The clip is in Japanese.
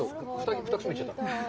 ２口目行っちゃった。